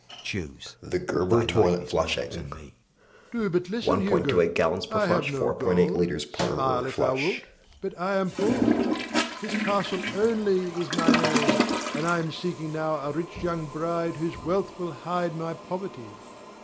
Choose, thy life is nought to me. Rod. Do but listen, Hugo. I have no gold; smile if thou wilt, but I am poor. This castle only is mine own, and I am seeking now a rich young bride whose wealth will hide my poverty.